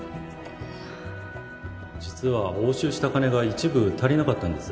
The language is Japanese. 実は押収した金が一部足りなかったんです。